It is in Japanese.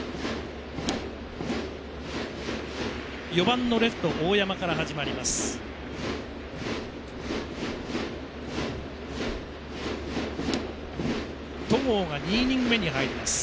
４番のレフト大山から始まります。